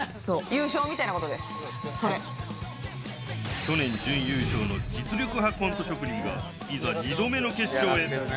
去年準優勝の実力派コント職人が、いざ２度目の決勝へ。